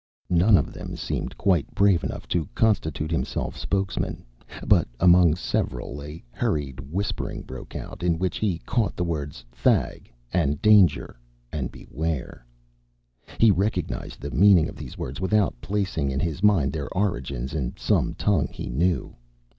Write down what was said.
None of them seemed quite brave enough to constitute himself spokesman, but among several a hurried whispering broke out in which he caught the words "Thag" and "danger" and "beware." He recognized the meaning of these words without placing in his mind their origins in some tongue he knew.